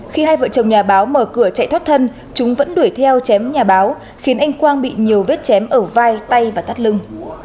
khi hai vợ chồng nhà báo mở cửa chạy thoát thân chúng vẫn đuổi theo chém nhà báo khiến anh quang bị nhiều vết chém ở vai tay và thắt lưng